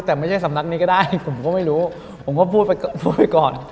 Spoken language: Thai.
แต่ไม่ใช่สำนักนี้ก็ได้ผมก็ไม่รู้ผมก็พูดไปพูดไปก่อน